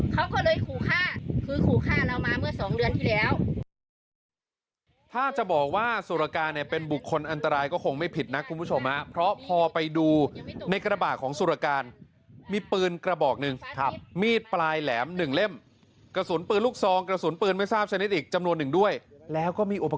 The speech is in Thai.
ฆ่าเรามาเมื่อสองเดือนที่แล้ว